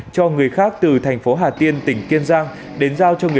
cho người khác từ thành phố hà tiên tỉnh kiên giang